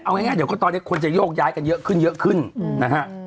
เอาง่ายเดี๋ยวก็ตอนนี้คนจะโยกย้ายกันเยอะขึ้นเยอะขึ้นนะฮะ